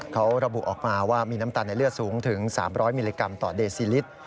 เขาระบุออกมาว่ามีน้ำตาลในเลือดสูงถึง๓๐๐มิลลิกรัมต่อเดซิลิตร